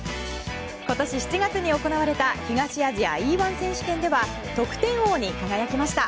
今年７月に行われた東アジアＥ‐１選手権では得点王に輝きました。